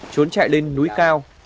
trốn chạy lên núi cao